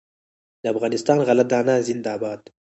د افغانستان غله دانه زنده باد.